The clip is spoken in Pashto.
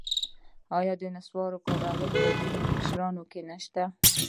آیا د نصوارو کارول په ځینو مشرانو کې نشته؟